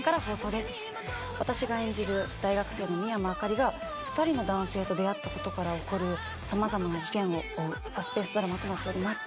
私が演じる大学生の深山朱莉が２人の男性と出会った事から起こる様々な事件を追うサスペンスドラマとなっております。